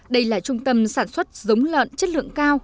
đây là trung tâm sản xuất giống lợn chất lượng cao